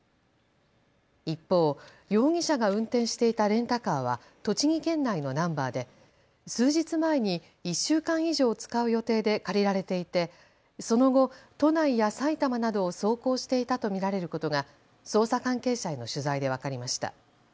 一方、容疑者が運転していたレンタカーは栃木県内のナンバーで数日前に１週間以上使う予定で借りられていてその後、都内や埼玉などを走行していたと見られることが捜査関係者への取材で分かりました。